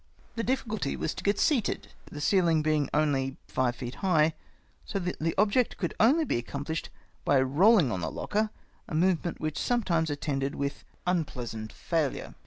The difficulty was to get seated, the ceihng being only five feet liigh, so that the object could only be accomphshed by rolhng on the locker, a movement sometimes attended with MY FIRST PRIZE. 95 unpleasant failure.